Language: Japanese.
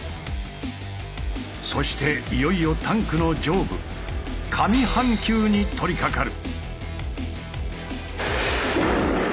そしていよいよタンクの上部上半球に取りかかる。